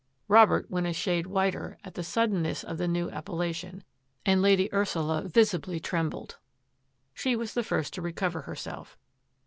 Robert went a shade whiter at the suddenness of the new appellation, and Lady Ursula visibly trembled. She was the first to recover herself.